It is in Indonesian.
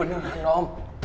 emang beneran rom